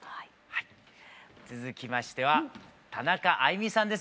続きましては田中あいみさんです